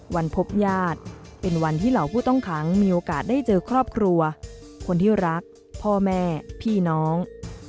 พบญาติเป็นวันที่เหล่าผู้ต้องขังมีโอกาสได้เจอครอบครัวคนที่รักพ่อแม่พี่น้อง